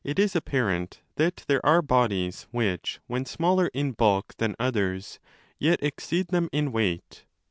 2 308° that there are bodies which, when smaller in bulk than others, yet exceed them in weight.